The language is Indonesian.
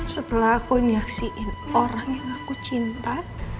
setelah aku nyaksiin orang yang aku cinta